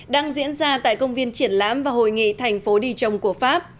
đang diễn ra tại công viên triển lãm và hội nghị thành phố đi trồng của pháp